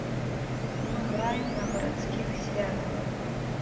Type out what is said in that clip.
Мы граем на гарадскіх святах.